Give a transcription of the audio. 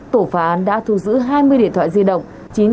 tổ phá án đã thu giữ hai mươi điện thoại di động